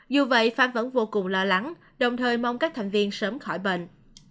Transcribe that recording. dù vậy phan vẫn vô cùng lo lắng đồng thời mong các thành viên sớm khỏi bệnh